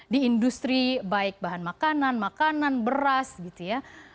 di industri baik bahan makanan makanan beras gitu ya